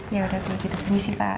ya udah kita permisi pak